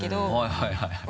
はいはい